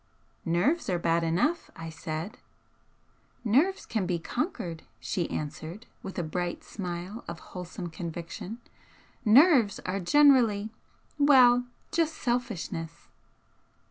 "Nerves are bad enough," I said. "Nerves can be conquered," she answered, with a bright smile of wholesome conviction "Nerves are generally well! just selfishness!"